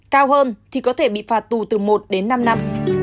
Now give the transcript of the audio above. cao hơn thì có thể bị phạt tù từ một đến năm năm